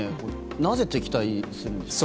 なぜ敵対するんですか？